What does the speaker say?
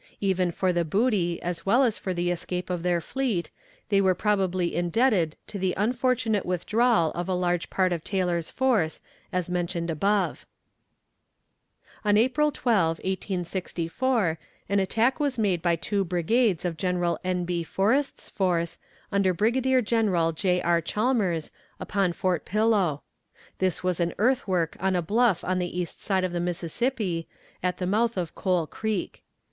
Even for the booty as well as for the escape of their fleet, they were probably indebted to the unfortunate withdrawal of a large part of Taylor's force, as mentioned above. On April 12, 1864, an attack was made by two brigades of General N. B. Forrest's force, under Brigadier General J. R. Chalmers, upon Fort Pillow. This was an earthwork on a bluff on the east side of the Mississippi, at the mouth of Coal Creek.